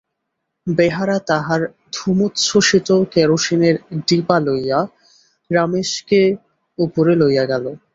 বেহারা তাহার ধূমোচ্ছ্বসিত কেরোসিনের ডিপা লইয়া রমেশকে উপরে লইয়া গেল।